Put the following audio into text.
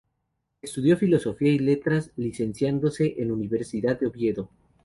Estudió Filosofía y Letras, licenciándose en el Universidad de Oviedo.